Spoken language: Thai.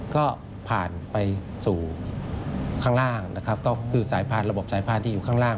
ก็ผ่านไปสู่ข้างล่างระบบสายพาดที่อยู่ข้างล่าง